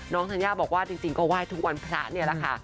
ธัญญาบอกว่าจริงก็ไหว้ทุกวันพระนี่แหละค่ะ